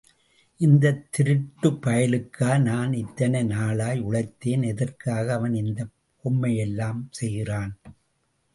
இந்தத் திருட்டுப்பயலுக்கா நான் இத்தனை நாளாய் உழைத்தேன் எதற்காக அவன் இந்தப் பொம்மையெல்லாம் செய்கிறான்?